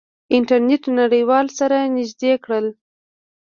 انټرنیټ نړیوال سره نزدې کړل.